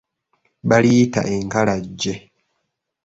Baliyita enkalajje.